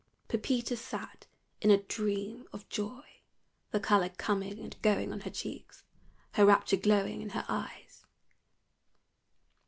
Pe » pita sat in a dream of joy, the color coming and going on her cheeks, her rapture glowing in her eyes.